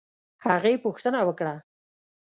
هغې پوښتنه وکړه